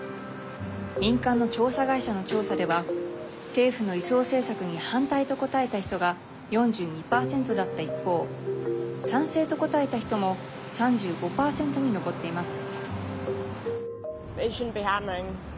民間の調査会社の調査では政府の移送政策に反対と答えた人が４２％だった一方賛成と答えた人も３５％に上っています。